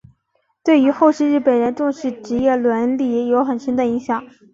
对于后世日本人重视职业伦理有很深的影响。